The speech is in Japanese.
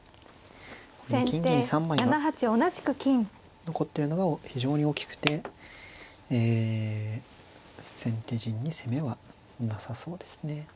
金銀３枚が残ってるのが非常に大きくてえ先手陣に攻めはなさそうですね。